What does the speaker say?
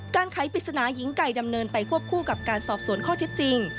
ไขปริศนาหญิงไก่ดำเนินไปควบคู่กับการสอบสวนข้อเท็จจริง